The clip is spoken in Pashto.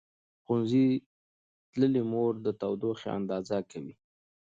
ښوونځې تللې مور د تودوخې اندازه کوي.